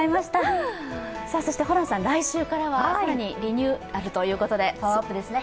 ホランさん、来週からは更にリニューアルということでパワーアップですね。